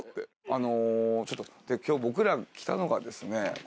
あのちょっと今日僕らが来たのがですね